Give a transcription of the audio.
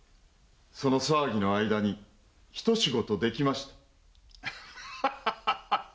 その騒ぎの間にひと仕事できました。